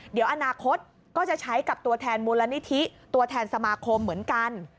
เดี๋ยวอนาคตก็จะใช้กับตัวแทนมูลนิธิตัวแทนสมาคมเหมือนกัน